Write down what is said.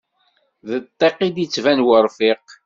Di ddiq i d-yettban urfiq.